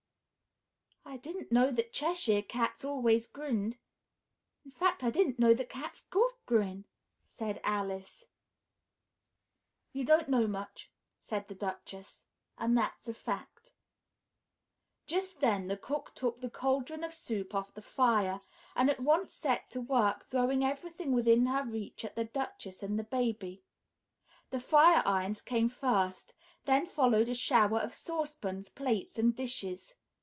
"I didn't know that Cheshire Cats always grinned; in fact, I didn't know that cats could grin," said Alice. "You don't know much," said the Duchess, "and that's a fact." Just then the cook took the caldron of soup off the fire, and at once set to work throwing everything within her reach at the Duchess and the baby the fire irons came first; then followed a shower of saucepans, plates and dishes.